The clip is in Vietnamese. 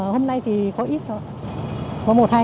hôm nay thì có ít thôi